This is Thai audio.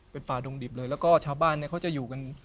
เป็นป่าดงดิบเลยแล้วก็ชาวบ้านเนี่ยเขาจะอยู่กัน